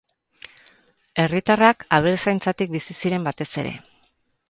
Herritarrak abeltzaintzatik bizi ziren batez ere.